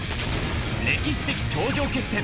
歴史的頂上決戦